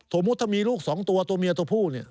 สมมุติถ้ามีลูกสองตัวตัวเมียตัวผู้เนี่ย